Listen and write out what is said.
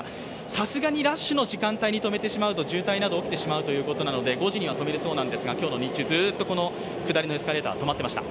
さすがにラッシュの時間帯に止めてしまうと渋滞などが起きてしまうので５時には止めるそうなんですが今日の日中、下りのエスカレーターは止まっていました。